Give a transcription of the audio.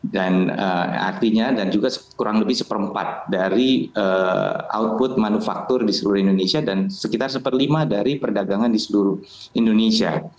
dan artinya dan juga kurang lebih sepere empat dari output manufaktur di seluruh indonesia dan sekitar sepere lima dari perdagangan di seluruh indonesia